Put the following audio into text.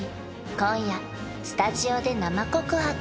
今夜スタジオで生告白！